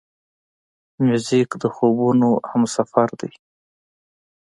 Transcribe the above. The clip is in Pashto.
موزیک د خوبونو همسفر دی.